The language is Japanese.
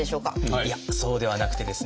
いやそうではなくてですね